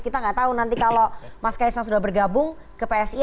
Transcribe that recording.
kita nggak tahu nanti kalau mas kaisang sudah bergabung ke psi